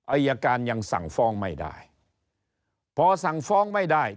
อายการยังสั่งฟ้องไม่ได้พอสั่งฟ้องไม่ได้